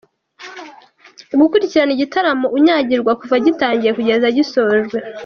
Gukurikirana igitaramo unyagirwa kuva gitangiye kugeza gisojwe